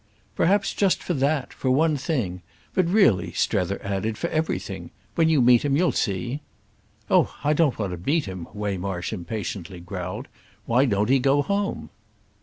"Perhaps just for that—for one thing! But really," Strether added, "for everything. When you meet him you'll see." "Oh I don't want to meet him," Waymarsh impatiently growled. "Why don't he go home?"